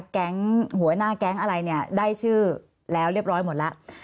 แก๊งหัวหน้าแก๊งอะไรเนี่ยได้ชื่อแล้วเรียบร้อยหมดแล้ว